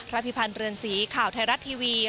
พิพันธ์เรือนสีข่าวไทยรัฐทีวี